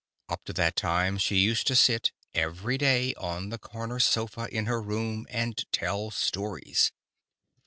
Up to that time, she used to sit every day on the corner sofa in her room, and tell stories.